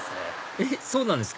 えっそうなんですか？